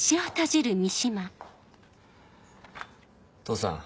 父さん。